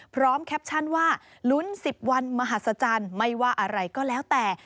แคปชั่นว่าลุ้น๑๐วันมหัศจรรย์ไม่ว่าอะไรก็แล้วแต่